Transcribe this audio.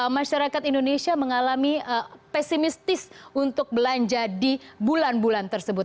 masyarakat indonesia mengalami pesimistis untuk belanja di bulan bulan tersebut